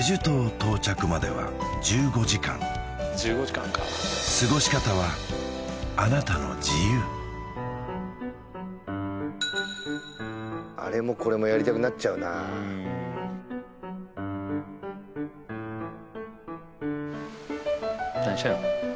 到着までは１５時間あれもこれもやりたくなっちゃうな何してんの？